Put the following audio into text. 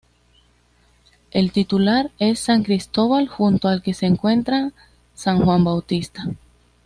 El titular es San Cristóbal junto al que se encuentra San Juan Bautista.